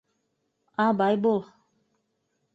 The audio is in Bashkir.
Абай бул.